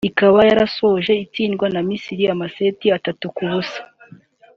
ikaba yarasoje itsindwa na Misiri amaseti atatu ku busa